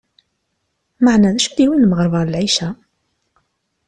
Maɛna d acu d-yewwin lmeɣreb ɣer lɛica ?